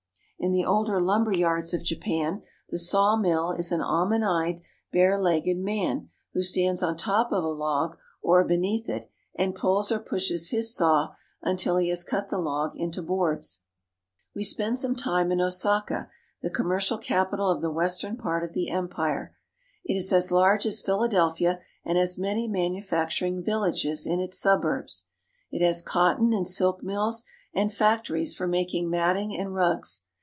In the older lumberyards of Japan the sawmill is an almond eyed, barelegged man, who stands on top of a log or beneath it and pulls or pushes his saw until he has cut the log into boards. We spend some tfme in Osaka, the commer cial capital of the west ern part of the empire. It is as large as Phila delphia and has many manufacturing vil lages in its suburbs. It has cotton and silk mills, and factories for making matting and rugs.